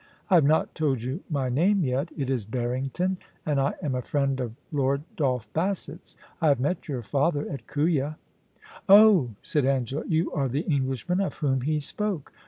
I have not told you my name yet; it is Barrington, and I am a friend of Lord Dolph Bassett's. I have met your father at Kooya.* * Oh !* said Angela ;* you are the Englishman of whom he spoke.